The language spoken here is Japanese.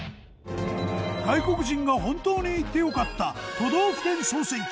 外国人が本当に行って良かった都道府県総選挙。